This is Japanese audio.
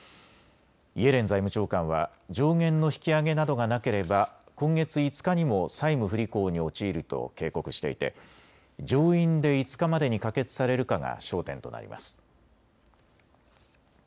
イエレン財務長官は上限の引き上げなどがなければ今月５日にも債務不履行に陥ると警告していて上院で５日までに可決されるかが焦点となります。